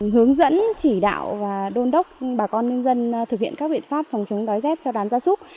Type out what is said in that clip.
hướng dẫn chỉ đạo và đôn đốc bà con nhân dân thực hiện các biện pháp phòng chống đói rét cho đàn gia súc